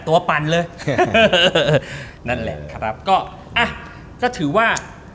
ปั่นเลยนั่นแหละครับก็อ่ะก็ถือว่า